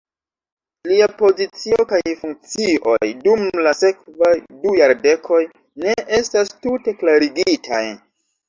Lia pozicio kaj funkcioj dum la sekvaj du jardekoj ne estas tute klarigitaj.